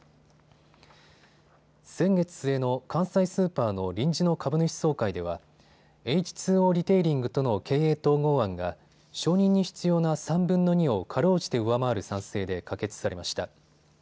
先月末の関西スーパーの臨時の株主総会ではエイチ・ツー・オーリテイリングとの経営統合案が承認に必要な３分の２をかろうじて上回る賛成で可決されました。